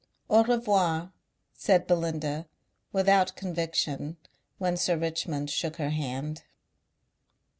"Au revoir," said Belinda without conviction when Sir Richmond shook her hand.